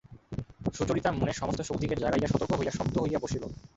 সুচরিতা মনের সমস্ত শক্তিকে জাগাইয়া সতর্ক হইয়া শক্ত হইয়া বসিল।